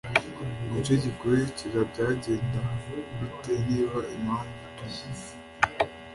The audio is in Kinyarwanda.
mu gice gikurikira byagenda bite se niba impamvu ituma